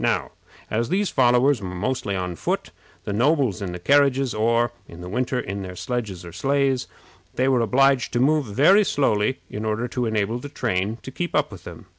Now, as these followers were mostly on foot, the nobles in the carriages, or, in the winter, in their sledges or sleighs, were obliged to move very slowly in order to enable the train to keep up with them.